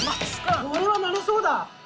これはなれそうだ。